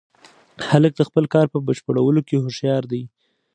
هلک د خپل کار په بشپړولو کې هوښیار دی.